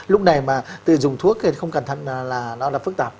lúc này mà tự dùng thuốc thì không cẩn thận là nó là phức tạp